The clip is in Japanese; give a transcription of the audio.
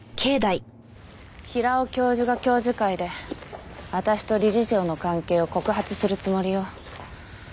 平尾教授が教授会で私と理事長の関係を告発するつもりよ。